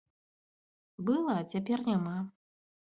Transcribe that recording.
Была, а цяпер няма.